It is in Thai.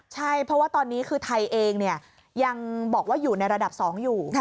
ใช่เพราะว่าตอนนี้คือไทยเองยังบอกว่าอยู่ในระดับ๒อยู่